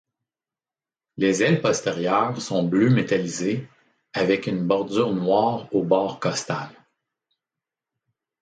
Les ailes postérieures sont bleu métallisé avec une bordure noire au bord costal.